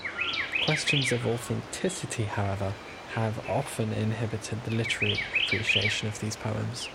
Questions of authenticity, however, have often inhibited the literary appreciation of these poems.